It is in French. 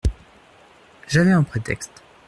J’avais un prétexte.